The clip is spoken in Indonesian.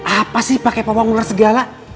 apa sih pakai pawang ular segala